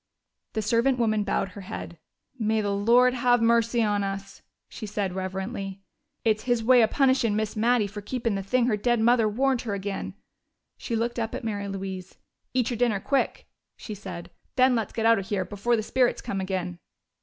The servant woman bowed her head. "May the Lord have mercy on us!" she said reverently. "It's His way of punishin' Miss Mattie fer keepin' the thing her dead mother warned her agin'." She looked up at Mary Louise. "Eat your dinner quick," she said. "Then let's get out of here, before the spirits come agin!"